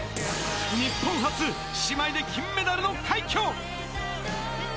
日本初、姉妹で金メダルの快挙。